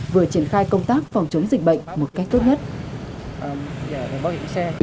vừa triển khai công tác phòng chống dịch bệnh một cách tốt nhất